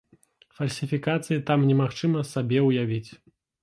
Фальсіфікацыі там немагчыма сабе ўявіць.